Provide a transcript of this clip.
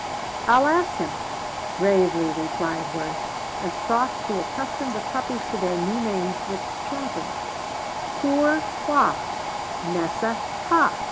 "I'll ask him," gravely replied Worth, and sought to accustom the puppies to their new names with chanting Poor Qua Nessa Pa.